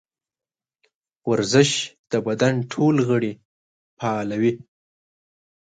ورزش د بدن ټول غړي فعالوي.